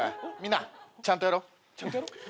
みんなちゃんとやろう。